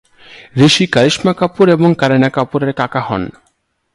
ঋষি কারিশমা কাপুর এবং কারিনা কাপুর এর কাকা হন।